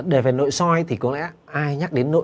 đề về nội soi thì có lẽ ai nhắc đến nội soi